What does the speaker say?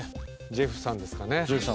ジェフさんですね